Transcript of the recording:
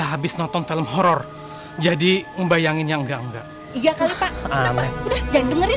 habis nonton film horor jadi ngebayangin yang enggak enggak iya kalau enggak dengerin